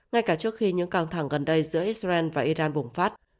ngay cả trước khi những căng thẳng gần đây giữa israel và iran bùng phát